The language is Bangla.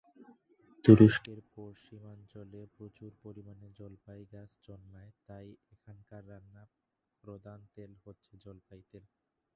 তুরস্কের পশ্চিমাঞ্চলে প্রচুর পরিমাণে জলপাই গাছ জন্মায় তাই এখানকার রান্না প্রধান তেল হচ্ছে জলপাই তেল।